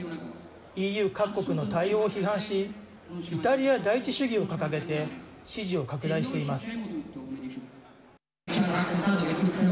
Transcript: ＥＵ各国の対応を批判しイタリア第一主義を掲げて支持を拡大しています。